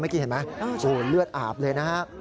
เมื่อกี้เห็นไหมเลือดอาบเลยนะฮะ